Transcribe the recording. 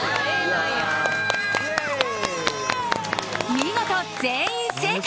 見事、全員正解！